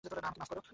না, আমাকে মাপ করো।